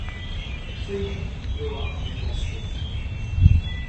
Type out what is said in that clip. Friedman grew up near Boston.